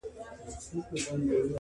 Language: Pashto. زه هم د بهار د مرغکیو ځالګۍ ومه؛